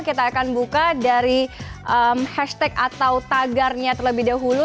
kita akan buka dari hashtag atau tagarnya terlebih dahulu